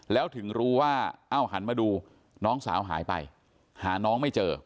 แล้วถึงรู้ว่าเอ้าหันมาดูน้องสาวหายไปหาน้องไม่เจอ